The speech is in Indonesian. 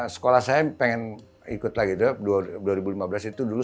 dua ribu enam belas sekolah saya pengen ikut lagi dua ribu lima belas itu dulu speedster band